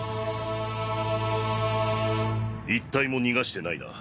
１体も逃がしてないな？